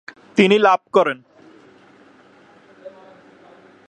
তিনি লাভ করেন।